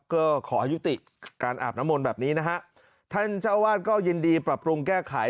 ก็ขอยุติการอาบน้ำมนต์แบบนี้นะฮะท่านเจ้าวาดก็ยินดีปรับปรุงแก้ไข